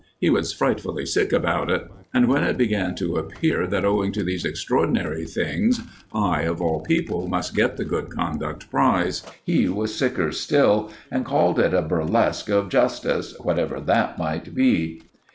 He was frightfully sick about it; and when it began to appear that owing to these extraordinary things I, of all people, must get the Good Conduct Prize, he was sicker still, and called it a burlesque of justice, whatever that may be.